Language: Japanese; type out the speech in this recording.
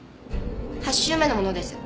８週目のものです。